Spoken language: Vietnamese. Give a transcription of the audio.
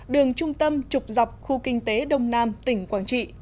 đường trung tâm trục dọc khu kinh tế đông nam tỉnh quảng trị